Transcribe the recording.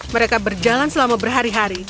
mereka berjalan selama berhari hari